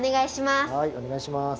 おねがいします！